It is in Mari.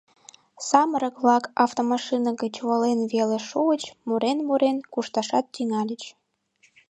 Самырык-влак автомашина гыч волен веле шуыч, мурен-мурен, кушташат тӱҥальыч.